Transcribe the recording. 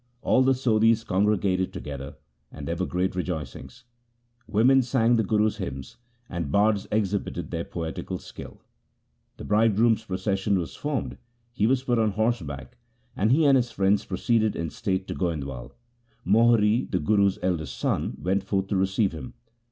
All the Sodhis congregated together, and there were great rejoicings. Women sang the Guru's hymns, and bards exhibited their poetical skill. The bridegroom's procession was formed, he was put on horseback, and he and his friends proceeded in state to Goindwal. Mohri, the Guru's eldest son, went forth to receive him.